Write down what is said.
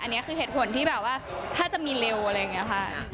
อันนี้คือเหตุผลที่แบบว่าถ้าจะมีเร็วอะไรอย่างนี้ค่ะ